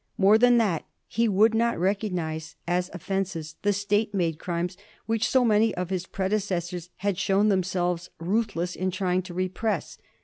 More than that, he would not recognize as offences the State made crimes which so many of his predecessors'* had shown themselves ruthless in trying to repress.